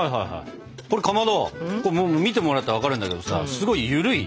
これかまど見てもらったら分かるんだけどさすごいゆるい。